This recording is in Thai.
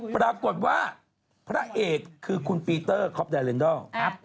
ปรากฏว่าพระเอกคือคุณปีเตอร์คอปแดเลนดอล